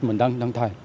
mình đang thay